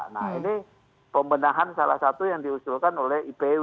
nah ini pembenahan salah satu yang diusulkan oleh ipw